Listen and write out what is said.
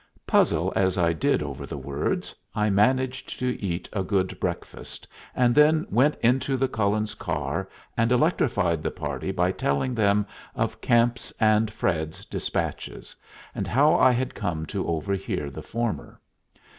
Puzzle as I did over the words, I managed to eat a good breakfast, and then went into the Cullens' car and electrified the party by telling them of Camp's and Fred's despatches, and how I had come to overhear the former.